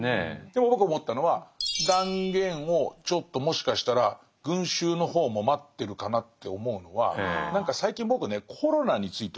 でも僕思ったのは断言をちょっともしかしたら群衆の方も待ってるかなって思うのは何か最近僕ねコロナについて思うんですけどね